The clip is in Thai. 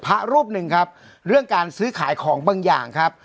พระรูปหนึ่งครับเรื่องการซื้อขายของบางอย่างครับ